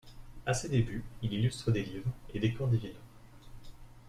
À ses débuts, il illustre des livres et décore des villas.